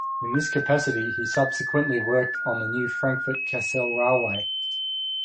In this capacity he subsequently worked on the new Frankfurt - Kassel railway.